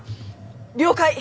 了解！